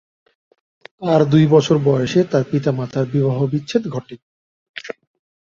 তার দুই বছর বয়সে তার পিতামাতার বিবাহবিচ্ছেদ ঘটে।